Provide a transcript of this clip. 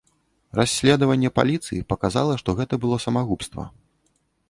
Расследаванне паліцыі паказала, што гэта было самагубства.